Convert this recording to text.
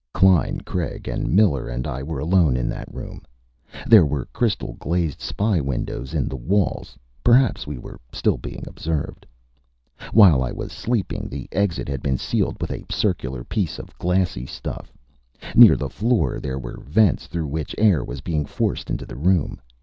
Klein, Craig, Miller and I were alone in that room. There were crystal glazed spy windows in the walls. Perhaps we were still being observed. While I was sleeping, the exit had been sealed with a circular piece of glassy stuff. Near the floor there were vents through which air was being forced into the room.